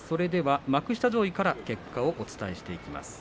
幕下上位から結果をお伝えしていきます。